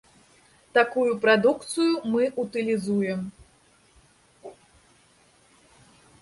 Такую прадукцыю мы ўтылізуем.